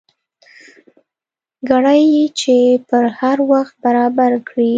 ګړۍ چې پر هر وخت برابر کړې.